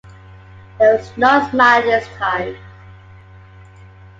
There was no smile this time.